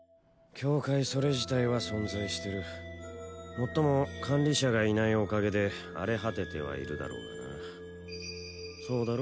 境界それ自体は存在してるもっとも管理者がいないおかげで荒れ果ててはいるだろうがなそうだろ？